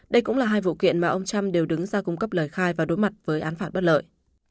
đây cũng là hai vụ kiện mà ông trump đều đứng ra cung cấp lời khai và đối mặt với án phạt bất lợi